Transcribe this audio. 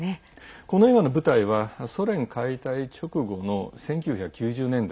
この映画の舞台はソ連解体直後の１９９０年代。